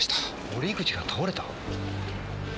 折口が倒れた？